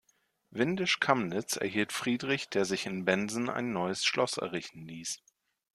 Windisch Kamnitz erhielt Friedrich, der sich in Bensen ein neues Schloss errichten ließ.